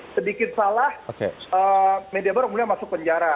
sedikit salah media baru kemudian masuk penjara